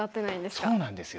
そうなんですよ。